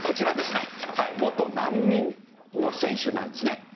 元難民の選手なんですね。